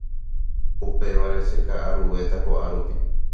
upévare cheka'aruvéta ko'árupi